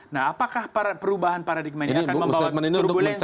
nah apakah perubahan paradigma ini akan membawa turbulensi